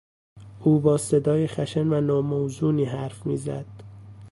او با صدای خشن و ناموزونی حرف میزد.